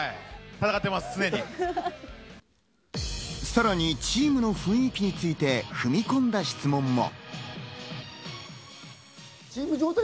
さらにチームの雰囲気について、踏み込んだ質問も。